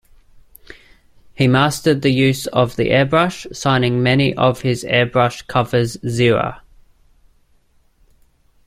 He mastered the use of the airbrush, signing many of his airbrushed covers "Xela".